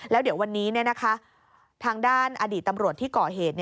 แล้วเดี๋ยววันนี้ทางด้านอดีตตำรวจที่ก่อเหตุ